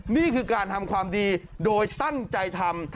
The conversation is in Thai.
นี่คือการทำความดีโดยตั้งใจทำ